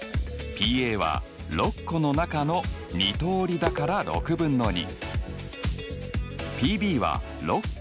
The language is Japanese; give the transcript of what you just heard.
Ｐは６個の中の３通りだから６分の３。